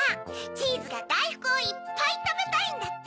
チーズがだいふくをいっぱいたべたいんだって！